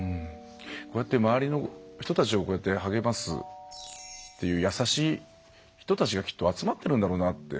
こうやって周りの人たちを励ますっていう優しい人たちがきっと集まってるんだろうなって